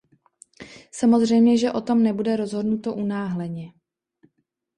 Samozřejmě, že o tom nebude rozhodnuto unáhleně.